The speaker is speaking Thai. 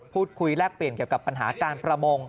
แลกเปลี่ยนเกี่ยวกับปัญหาการประมง